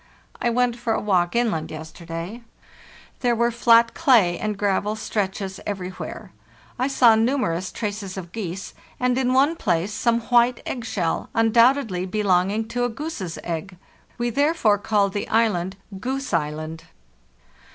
I went for a walk inland yesterday. There were flat clay and gravel stretches everywhere. I saw numerous traces of geese, and in one place some white egg shell, 9 undoubtedly belonging to a goose's egg." We therefore called the island Goose Island.